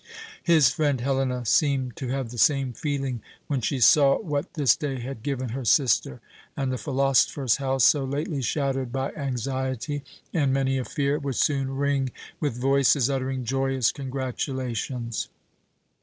His friend Helena seemed to have the same feeling, when she saw what this day had given her sister; and the philosopher's house, so lately shadowed by anxiety, and many a fear, would soon ring with voices uttering joyous congratulations.